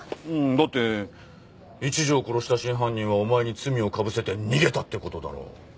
だって一条を殺した真犯人はお前に罪をかぶせて逃げたって事だろ？